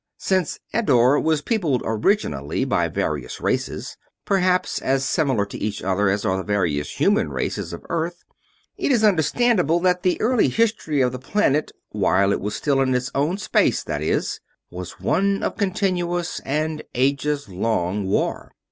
Since Eddore was peopled originally by various races, perhaps as similar to each other as are the various human races of Earth, it is understandable that the early history of the planet while it was still in its own space, that is was one of continuous and ages long war.